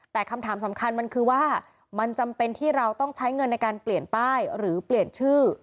แต่คำถามสำคัญมันคือว่ามันจำเป็นที่เราต้องใช้เงินในการเปลี่ยนป้ายหรือเปลี่ยนชื่อ